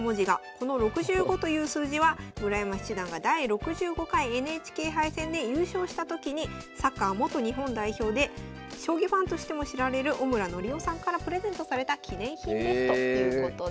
この６５という数字は村山七段が第６５回ＮＨＫ杯戦で優勝したときにサッカー元日本代表で将棋ファンとしても知られる小村徳男さんからプレゼントされた記念品ですということです。